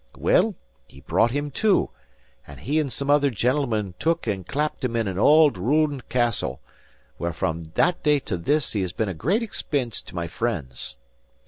Well, he brought him to; and he and some other gentleman took and clapped him in an auld, ruined castle, where from that day to this he has been a great expense to my friends.